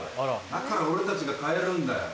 だから俺たちが変えるんだよ。